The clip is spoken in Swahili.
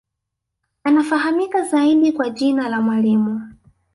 Anafahamika zaidi kwa jina la Mwalimu